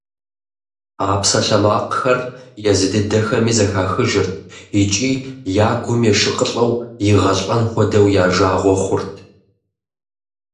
А псалъэмакъхэр езы дыдэхэми зэхахыжырт икӀи я гум ешыкъылӀэу, игъэлӀэн хуэдэу я жагъуэ хъурт.